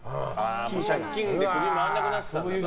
借金で首が回らなくなってたんだ。